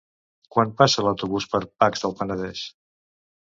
Quan passa l'autobús per Pacs del Penedès?